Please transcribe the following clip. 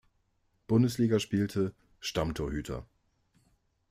Bundesliga spielte, Stammtorhüter.